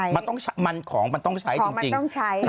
มันต้องใช้ของมันต้องใช้จริง